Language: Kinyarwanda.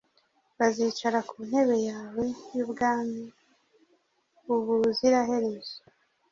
bazicara ku ntebe yawe y'ubwami ubuziraherezo